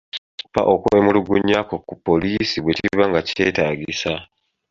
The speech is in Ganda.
Loopa okwemulugunya kwo ku poliisi bwe kiba nga kyetagisa.